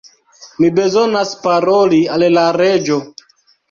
Mi bezonas paroli al la Reĝo!